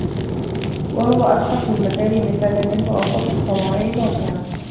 وَهُوَ أَرْخَصُ الْمَكَارِمِ ثَمَنًا وَأَلْطَفُ الصَّنَائِعِ مَوْقِعًا